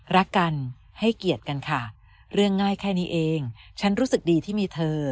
รักกันให้เกียรติกันค่ะเรื่องง่ายแค่นี้เองฉันรู้สึกดีที่มีเธอ